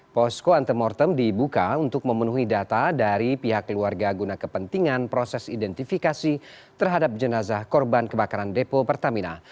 posko antemortem dibuka untuk memenuhi data dari pihak keluarga guna kepentingan proses identifikasi terhadap jenazah korban kebakaran depo pertamina